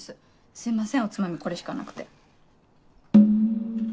すいませんおつまみこれしかなくて。